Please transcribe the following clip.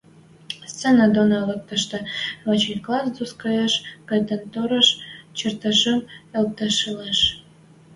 Сцена доны, лыкышты, Вачай класс доскаэш кытын-тореш чертежым ӹштӹлеш.